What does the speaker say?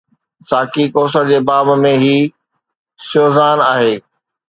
ساقي ڪوثر جي باب ۾ هي سيو زان آهي